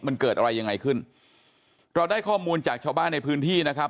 มันเกิดอะไรยังไงขึ้นเราได้ข้อมูลจากชาวบ้านในพื้นที่นะครับ